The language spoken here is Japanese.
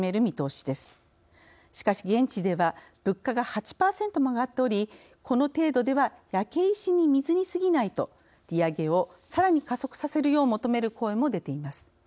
しかし、現地では物価が８％も上がっておりこの程度では「焼け石に水」にすぎないと利上げをさらに加速させるよう求める声も出ています。